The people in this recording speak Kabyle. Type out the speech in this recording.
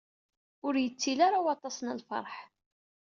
Ur yettili ara waṭas n lfeṛḥ.